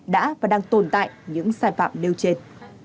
đã và đang tồn tại những sai phạm nêu trên